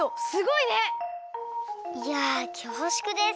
いやきょうしゅくです。